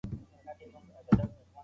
لفظي ژباړه اکثراً جملې ګډوډوي.